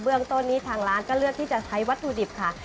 เรื่องต้นนี้ทางร้านก็เลือกที่จะใช้วัตถุดิบค่ะ